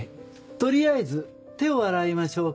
取りあえず手を洗いましょうか。